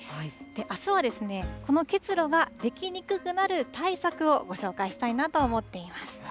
あすはこの結露ができにくくなる対策をご紹介したいなと思っています。